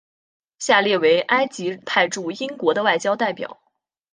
下列为埃及派驻英国的外交代表。